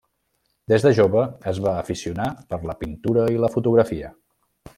Des de jove es va aficionar per la pintura i la fotografia.